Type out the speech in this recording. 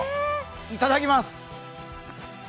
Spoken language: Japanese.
いただきます。